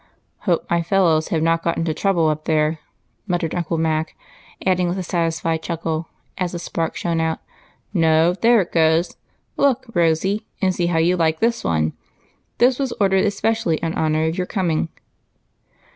" Hope my fellows have not got into trouble up there," muttered Uncle Mac, adding, with a satisfied chuckle, as a spark shone out, " No ; there it goes! Look, Rosy, and see how you like this one ; it was ordered especially in honor of your coming."